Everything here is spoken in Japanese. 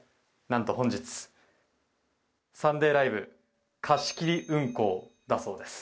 何と本日「サンデーＬＩＶＥ！！」貸し切り運行だそうです。